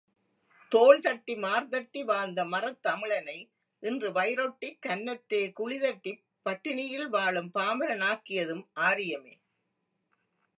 தோள் தட்டி மார்தட்டி, வாழ்ந்த மறத்தமிழனை இன்று வயிறொட்டிக் கன்னத்தே குழிதட்டிப் பட்டினியில் வாழும் பாமரானாக்கியதும் ஆரியமே!